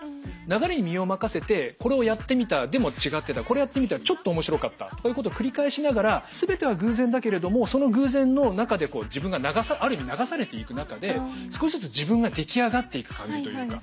流れに身を任せてこれをやってみたでも違ってたこれやってみたらちょっと面白かったとかいうことを繰り返しながら全ては偶然だけれどもその偶然の中で自分がある意味流されていく中で少しずつ自分が出来上がっていく感じというか。